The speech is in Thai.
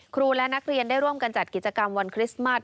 ครูและนักเรียนได้ร่วมกันจัดกิจกรรมวันคริสต์มัส